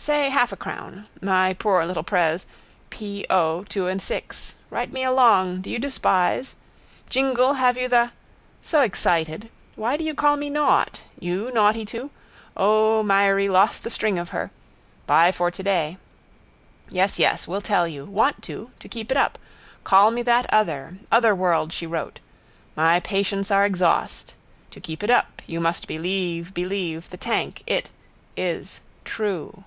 Say half a crown. My poor little pres: p. o. two and six. Write me a long. Do you despise? Jingle, have you the? So excited. Why do you call me naught? You naughty too? O, Mairy lost the string of her. Bye for today. Yes, yes, will tell you. Want to. To keep it up. Call me that other. Other world she wrote. My patience are exhaust. To keep it up. You must believe. Believe. The tank. It. Is. True.